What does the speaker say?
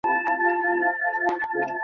অবশ্যই এখানে নেটওয়ার্ক নেই।